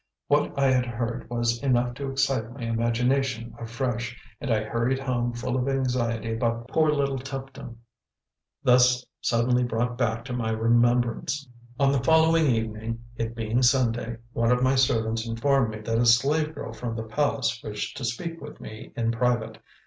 What I had heard was enough to excite my imagination afresh, and I hurried home full of anxiety about poor little Tuptim, thus suddenly brought back to my remembrance. On the following evening, it being Sunday, one of my servants informed me that a slave girl from the palace wished to speak with me in private.